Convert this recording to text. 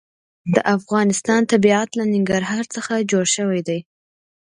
د افغانستان طبیعت له ننګرهار څخه جوړ شوی دی.